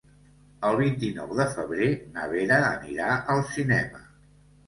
El vint-i-nou de febrer na Vera anirà al cinema.